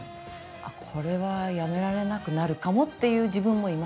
あこれはやめられなくなるかもっていう自分もいましたよね。